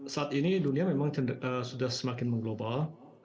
saat ini dunia memang sudah semakin mengglobal